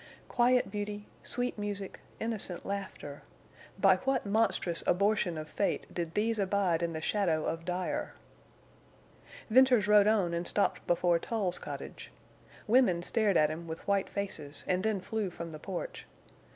Quiet beauty—sweet music—innocent laughter! By what monstrous abortion of fate did these abide in the shadow of Dyer? Venters rode on and stopped before Tull's cottage. Women stared at him with white faces and then flew from the porch.